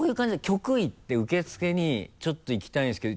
局行って受付に「ちょっと行きたいんですけど」